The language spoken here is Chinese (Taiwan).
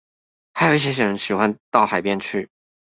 還有一些人喜歡到海邊去